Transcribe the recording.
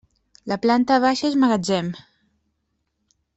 La planta baixa és magatzem.